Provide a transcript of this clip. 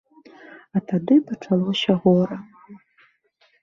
А тады пачалося гора.